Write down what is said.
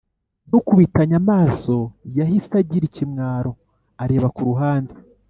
Dukubitanye amaso yahise agira ikimwaro areba kuruhande